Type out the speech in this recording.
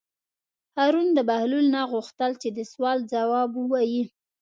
هارون د بهلول نه وغوښتل چې د سوال ځواب ووایي.